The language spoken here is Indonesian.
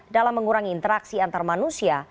dalam mengurangi interaksi antar manusia